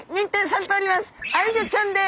アイギョちゃんです。